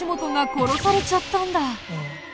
殺されちゃったんだ。